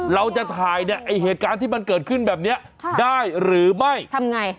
เราจะถ่ายเนี่ยไอ้เหตุการณ์ที่มันเกิดขึ้นแบบเนี้ยค่ะได้หรือไม่ทำไง